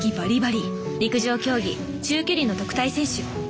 陸上競技中距離の特待選手